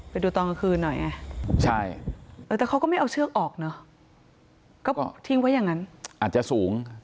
ไปดูตอนกระคืนหน่อยนังไงใช่